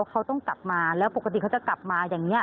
เขาต้องกลับมาแล้วปกติเขาจะกลับมาอย่างนี้